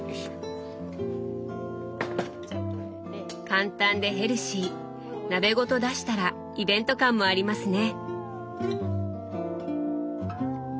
簡単でヘルシー鍋ごと出したらイベント感もありますね！